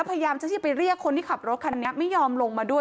พยายามที่จะไปเรียกคนที่ขับรถคันนี้ไม่ยอมลงมาด้วย